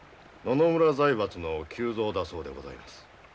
野々村財閥の旧蔵だそうでございます。